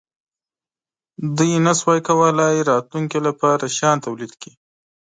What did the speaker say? دوی نشوای کولای راتلونکې لپاره شیان تولید کړي.